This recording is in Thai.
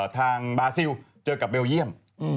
ทางบาซิลเจอกับเบลเยี่ยม